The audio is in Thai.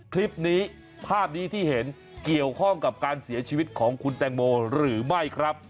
คลิปนี้ภาพนี้ที่เห็นเกี่ยวข้องกับการเสียชีวิตของคุณแตงโมหรือไม่ครับ